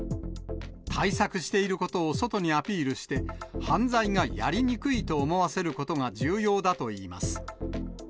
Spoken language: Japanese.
対策していることを外にアピールして、犯罪がやりにくいと思わせることが重要だといいます。